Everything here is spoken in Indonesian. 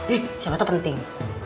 eh siapa tuh penting